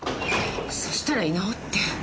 そしたら居直って。